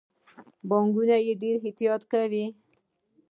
بانکونه یې ډیر احتیاط کوي.